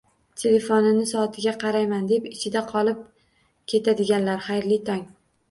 Telefonini soatiga qarayman deb "ichida" qolib ketadiganlar, xayrli tong!